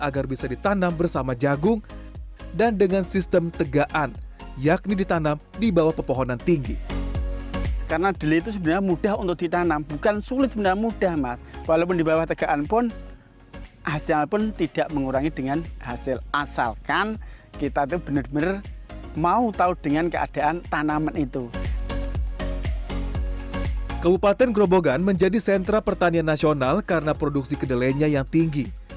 gerobogan menjadi sentra pertanian nasional karena produksi kedelainya yang tinggi